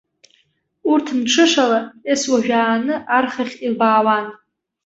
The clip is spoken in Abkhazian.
Урҭ мҽышала ес-уажәааны архахь илбаауан.